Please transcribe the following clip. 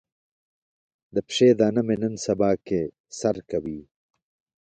د پښې دانه مې نن سبا کې سر کوي.